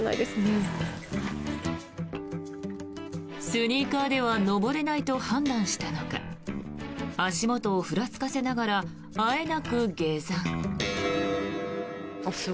スニーカーでは登れないと判断したのか足元をふらつかせながらあえなく下山。